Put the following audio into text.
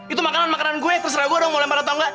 itu makanan makanan gue terserah gue mau lempar atau engga